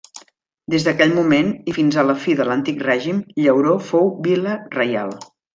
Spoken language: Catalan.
Des d'aquell moment i fins a la fi de l'Antic règim, Llauró fou vila reial.